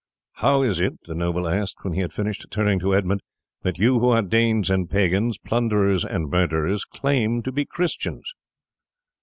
"How is it," the noble asked when he had finished, turning to Edmund, "that you who are Danes and pagans, plunderers and murderers, claim to be Christians?"